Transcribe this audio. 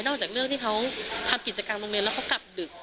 จากเรื่องที่เขาทำกิจกรรมโรงเรียนแล้วเขากลับดึก